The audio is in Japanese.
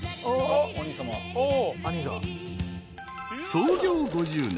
［創業５０年。